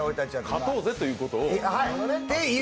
勝とうぜということを。